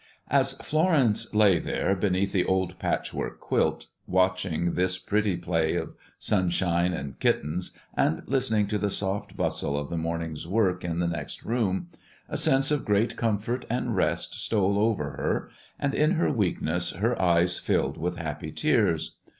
As Florence lay there beneath the old patchwork quilt, watching this pretty play of sunshine and kittens, and listening to the soft bustle of the morning's work in the next room, a sense of great comfort and rest stole over her, and in her weakness her eyes filled with happy tears.